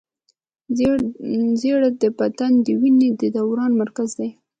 زړه د بدن د وینې د دوران مرکز دی.